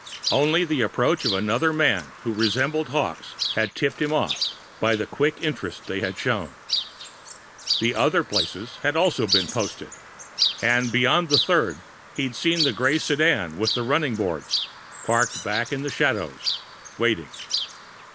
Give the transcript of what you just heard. Only the approach of another man who resembled Hawkes had tipped him off, by the quick interest they had shown. The other places had also been posted and beyond the third, he'd seen the gray sedan with the running boards, parked back in the shadows, waiting.